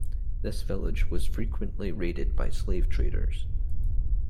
This village was frequently raided by slave traders.